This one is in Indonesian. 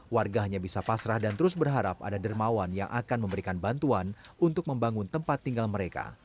warga hanya bisa pasrah dan terus berharap ada dermawan yang akan memberikan bantuan untuk membangun tempat tinggal mereka